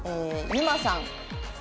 「遊馬さん」。